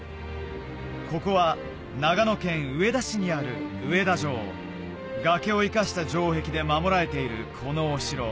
ここは長野県上田市にある上田城崖を生かした城壁で守られているこのお城